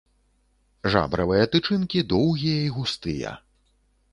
Жабравыя тычынкі доўгія і густыя.